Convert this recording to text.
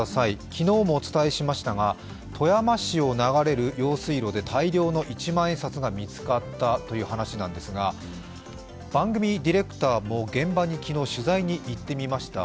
昨日もお伝えしましたが、富山市を流れる用水路で大量の一万円札が見つかったという話なんですが番組ディレクターも現場に取材に行ってみました。